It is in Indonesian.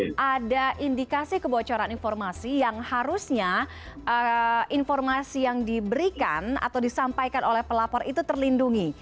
tapi ada indikasi kebocoran informasi yang harusnya informasi yang diberikan atau disampaikan oleh pelapor itu terlindungi